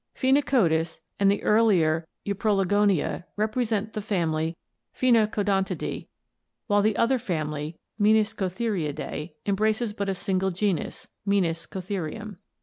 Phenacodus and the ear lier Euprologonia represent the family Phenacodontidae, while the other family, Meniscotheriidae, embraces but a single known genus, Meniscotherium.